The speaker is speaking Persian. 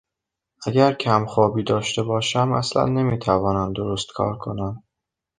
اگر کم خوابی داشته باشم اصلا نمیتوانم درست کار کنم.